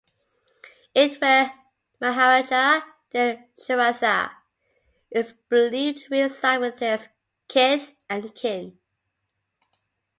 It where Maharaja Dasharatha is believed to reside with his kith and kin.